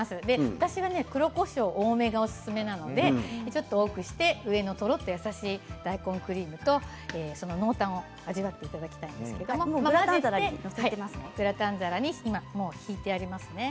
私は黒こしょう多めがおすすめなのでちょっと大きくして上のとろっと優しい大根クリームとその濃淡を味わっていただきたいんですけどグラタン皿に敷いてありますね。